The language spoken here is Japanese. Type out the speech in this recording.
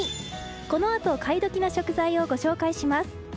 このあと買い時の食材をご紹介します。